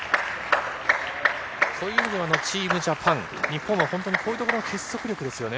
そういう意味では、チームジャパン、日本は本当にこういうところが結束力ですよね。